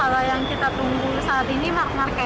kalau yang kita tunggu saat ini mark marque